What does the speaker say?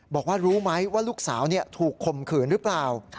บอกว่ารู้ไหมว่าลูกสาวถูกข่มขืนหรือเปล่า